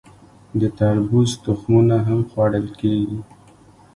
د تربوز تخمونه هم خوړل کیږي.